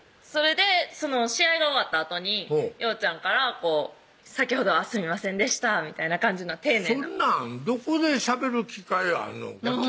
それでその試合が終わったあとにようちゃんから「先ほどはすみませんでした」みたいな感じのそんなんどこでしゃべる機会あんの？